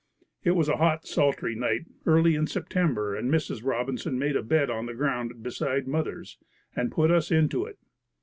It was a hot, sultry night early in September and Mrs. Robinson made a bed on the ground beside mother's and put us into it.